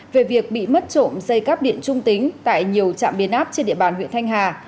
về việc bị mất trộm dây cắp điện trung tính tại nhiều trạm biến áp trên địa bàn huyện thanh hà